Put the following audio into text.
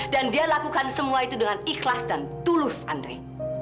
dan dia lakukan semua itu dengan ikhlas dan tulus andre